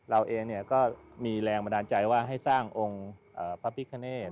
เราเองก็มีแรงบันดาลใจว่าให้สร้างองค์พระพิคเนต